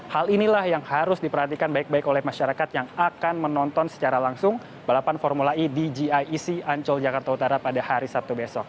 hal inilah yang harus diperhatikan baik baik oleh masyarakat yang akan menonton secara langsung balapan formula e di giec ancol jakarta utara pada hari sabtu besok